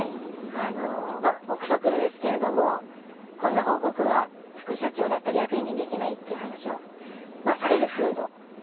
臆測ですけれども、こんな報告は副社長だったり役員にできないっていう話をされる風土。